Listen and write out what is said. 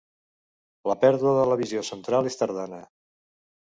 La pèrdua de la visió central és tardana.